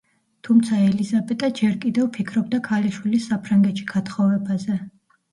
თუმცა ელიზაბეტა ჯერ კიდევ ფიქრობდა ქალიშვილის საფრანგეთში გათხოვებაზე.